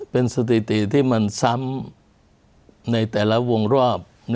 เป็นสถิติที่มันซ้ำในแต่ละวงรอบ